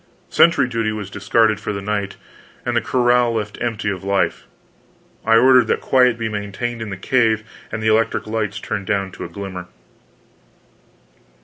Sentry duty was discarded for the night, and the corral left empty of life; I ordered that quiet be maintained in the cave, and the electric lights turned down to a glimmer.